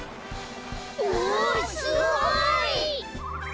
おおすごい！